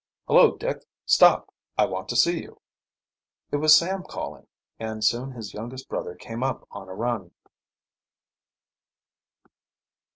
"Hullo, Dick, stop! I want to see you." It was Sam calling, and soon his youngest brother came up on a run.